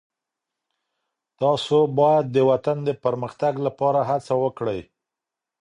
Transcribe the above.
تاسو باید د وطن د پرمختګ لپاره هڅه وکړئ.